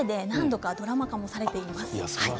ＮＨＫで何度かドラマ化されています。